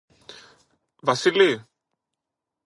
Βασίλη!